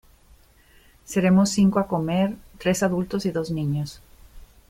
Seremos cinco a comer, tres adultos y dos niños.